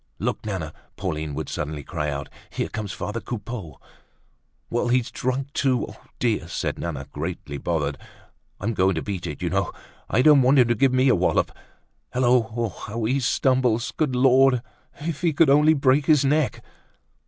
"Look, Nana," Pauline would suddenly cry out, "here comes father Coupeau!" "Well, he's drunk too. Oh, dear," said Nana, greatly bothered. "I'm going to beat it, you know. I don't want him to give me a wallop. Hullo! How he stumbles! Good Lord, if he could only break his neck!"